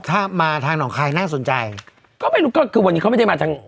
ถ้ามาทางหนองคายน่าสนใจก็ไม่รู้ก็คือวันนี้เขาไม่ได้มาทาง